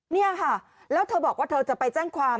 นี่ค่ะแล้วเธอบอกว่าเธอจะไปแจ้งความ